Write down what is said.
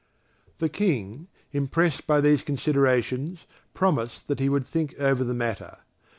The King, impressed by these considerations, promised that he would think over the matter.